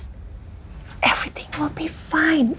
semuanya akan baik baik saja